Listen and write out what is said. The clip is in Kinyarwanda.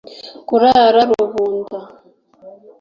kurara rubunda